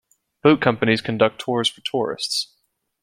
Boat companies conduct tours for tourists.